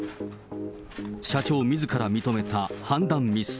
社長みずから認めた判断ミス。